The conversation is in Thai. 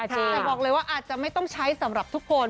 แต่บอกเลยว่าอาจจะไม่ต้องใช้สำหรับทุกคน